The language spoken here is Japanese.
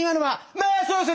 「まあそうっすね。